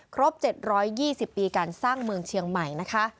ครบ๗๒๐ปีการสร้างเมืองเชียงใหม่นะคะ